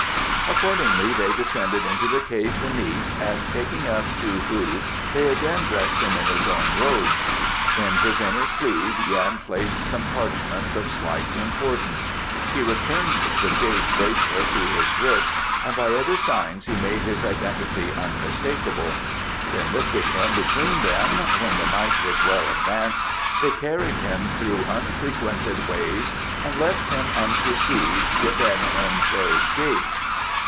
Accordingly they descended into the cave beneath and taking up Chou hu they again dressed him in his own robes. In his inner sleeve Yan placed some parchments of slight importance; he returned the jade bracelet to his wrist and by other signs he made his identity unmistakable; then lifting him between them, when the night was well advanced, they carried him through unfrequented ways and left him unperceived within Heng cho's gate.